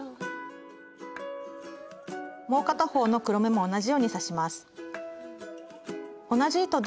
もう片方の黒目も同じように刺します。